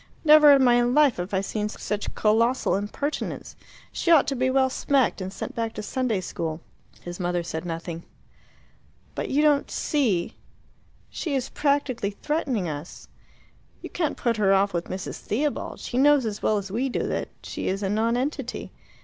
"Never in my life have I seen such colossal impertinence. She ought to be well smacked, and sent back to Sunday school." His mother said nothing. "But don't you see she is practically threatening us? You can't put her off with Mrs. Theobald; she knows as well as we do that she is a nonentity.